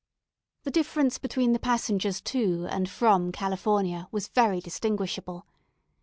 The difference between the passengers to and from California was very distinguishable.